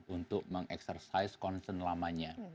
untuk mengeksersais konsen lamanya